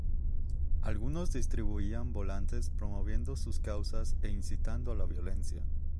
Algunos distribuían volantes promoviendo sus causas e incitando a la violencia.